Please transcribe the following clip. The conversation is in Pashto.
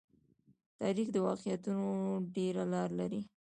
تاریخ د واقعیتونو ډېره لار لري.